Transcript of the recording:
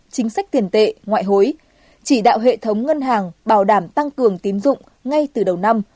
chính sách tiền tệ ngoại hối chỉ đạo hệ thống ngân hàng bảo đảm tăng cường tín dụng ngay từ đầu năm